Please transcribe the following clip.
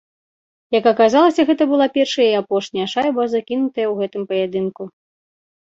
Як аказалася, гэта была першая і апошняя шайба, закінутая ў гэтым паядынку.